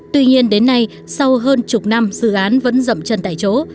tuy nhiên đến nay sau hơn chục năm dự án vẫn rậm chân tại chỗ